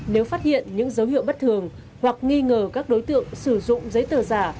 nếu phát hiện những dấu hiệu bất thường hoặc nghi ngờ các đối tượng sử dụng giấy tờ giả